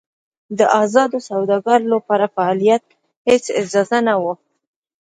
د ازادو سوداګرو لپاره د فعالیت هېڅ اجازه نه وه.